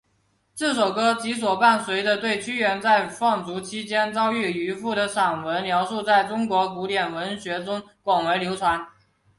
这首歌及所伴随的对屈原在放逐期间遭遇渔父的散文描述在中国古典文学中广为流传。